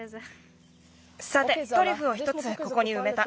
さてトリュフを１つここにうめた。